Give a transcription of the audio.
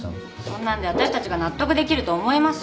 そんなんでわたしたちが納得できると思います？